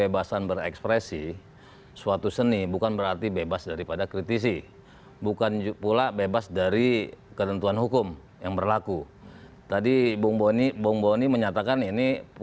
bahkan itu adalah tidak kesengajaan